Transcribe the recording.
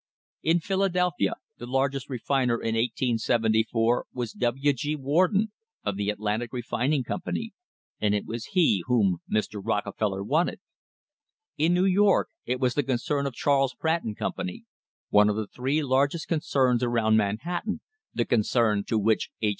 In Philadelphia, the largest refiner in 1874 was W. G. Warden of the Atlantic Refining Company, and it was he whom Mr. Rockefeller wanted. In New York it was the concern of Charles Pratt and Company, one of the three largest concerns around Manhattan the concern to which H.